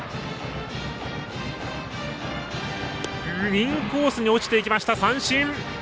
インコースに落ちていきました三振。